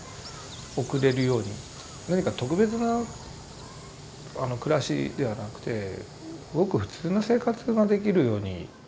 何か特別な暮らしではなくてごく普通の生活ができるように。